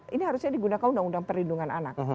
ini harusnya digunakan undang undang perlindungan anak